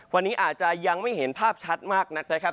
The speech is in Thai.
วันนี้อาจจะยังไม่เห็นภาพชัดมากนักนะครับ